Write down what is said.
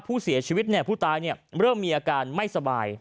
ผู้เสียชีวิตผู้ตายเริ่มมีอาการไม่สบาย